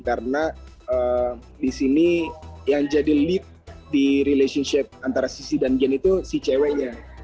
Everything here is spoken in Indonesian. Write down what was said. karena disini yang jadi lead di relationship antara sissy dan gen itu si ceweknya